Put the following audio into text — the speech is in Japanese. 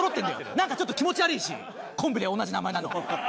なんかちょっと気持ち悪いしコンビで同じ名前なの。